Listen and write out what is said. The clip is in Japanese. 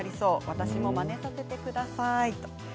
私も、まねさせてください。